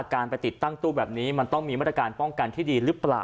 การไปติดตั้งตู้แบบนี้มันต้องมีมาตรการป้องกันที่ดีหรือเปล่า